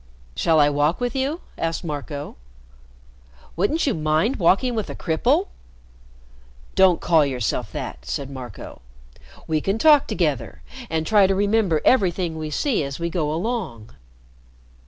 "Shall I walk with you?" asked Marco. "Wouldn't you mind walking with a cripple?" "Don't call yourself that," said Marco. "We can talk together, and try to remember everything we see as we go along."